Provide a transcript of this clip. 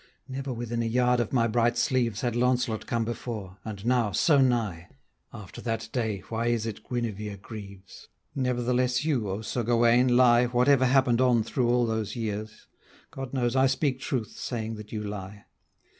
Never within a yard of my bright sleeves Had Launcelot come before: and now, so nigh! After that day why is it Guenevere grieves? Nevertheless you, O Sir Gauwaine, lie, Whatever happened on through all those years, God knows I speak truth, saying that you lie.